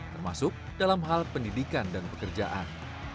termasuk dalam hal pendidikan dan pekerjaan